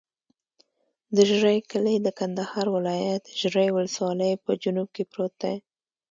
د ژرۍ کلی د کندهار ولایت، ژرۍ ولسوالي په جنوب کې پروت دی.